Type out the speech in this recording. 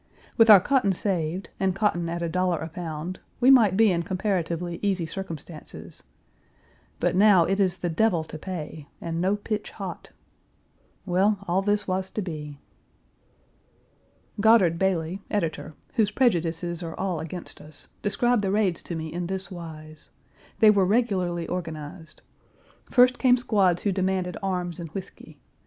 With our cotton saved, and cotton at a dollar a pound, we might be in comparatively easy circumstances. But now it is the devil to pay, and no pitch hot. Well, all this was to be. Godard Bailey, editor, whose prejudices are all against us, described the raids to me in this wise: They were regularly organized. First came squads who demanded arms and whisky.